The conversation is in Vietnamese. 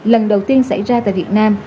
lần đầu tiên xảy ra tại việt nam